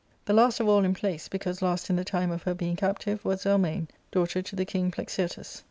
The last of all in place, because last in the time of her being captife, was 2^1mane, daughter to the king Plexirtus.